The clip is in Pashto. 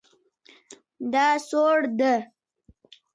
دا سوړ ده